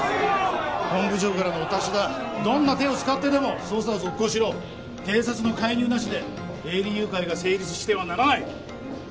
本部長からのお達しだどんな手を使ってでも捜査を続行しろ警察の介入なしで営利誘拐が成立してはならない！